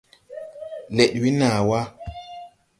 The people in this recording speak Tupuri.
Lɛd we naa wà.